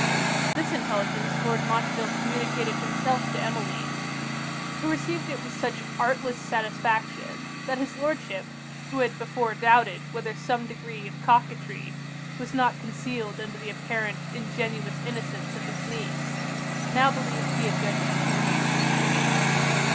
This intelligence Lord Montreville communicated himself to Emmeline; who received it with such artless satisfaction, that his Lordship, who had before doubted whether some degree of coquetry was not concealed under the apparent ingenuous innocence of his niece, now believed he had judged too hastily.